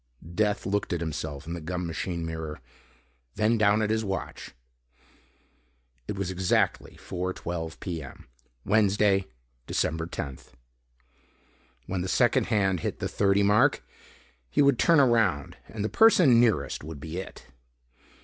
Death looked at himself in the gum machine mirror, then down at his watch. It was exactly 4:12 P. M., Wednesday, December 10th. When the second hand hit the "30" mark, he would turn around and the person nearest would be It.